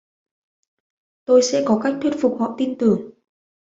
tôi sẽ có cách thuyết phục họ tin tưởng